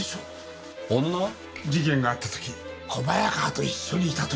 事件があった時小早川と一緒にいたという。